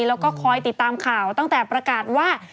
แล้วก็คอยติดตามข่าวตั้งแต่ประกาศว่า